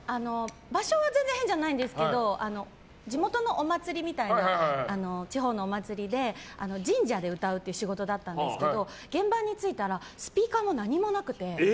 場所は全然変じゃないんですけど地元のお祭りみたいな地方のお祭りで神社で歌うという仕事だったんですけど現場に着いたらスピーカーも何もなくて。